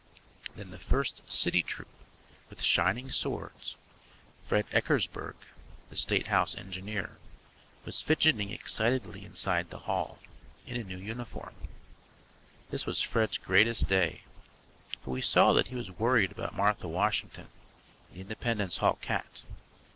Then the First City Troop, with shining swords. Fred Eckersburg, the State House engineer, was fidgeting excitedly inside the hall, in a new uniform. This was Fred's greatest day, but we saw that he was worried about Martha Washington, the Independence Hall cat.